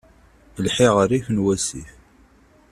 Lḥiɣ rrif n wasif.